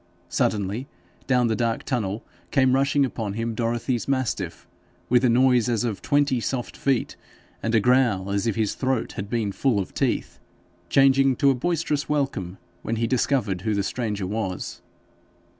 Suddenly, down the dark tunnel came rushing upon him Dorothy's mastiff, with a noise as of twenty soft feet, and a growl as if his throat had been full of teeth changing to a boisterous welcome when he discovered who the stranger was.